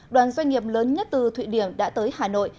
đoàn doanh nghiệp lớn nhất từ thụy điển đã tới hà nội